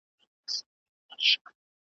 د غوايي په څېر مي غټي پښې لرلای `